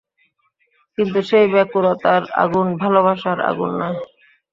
কিন্তু সেই ব্যাকুলতার আগুন ভালোবাসার আগুন নয়।